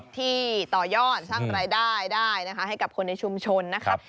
ที่ต่อยอดสร้างรายได้ได้นะคะให้กับคนในชุมชนนะครับ